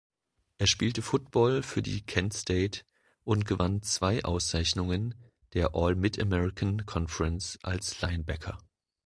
Er spielte Football für die Kent State und gewann zwei Auszeichnungen der All-Mid-American Conference als Linebacker.